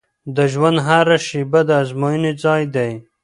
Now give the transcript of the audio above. د ژوند هره شیبه د ازموینې ځای دی.